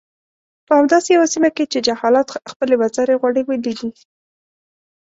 په همداسې يوه سيمه کې چې جهالت خپلې وزرې غوړولي دي.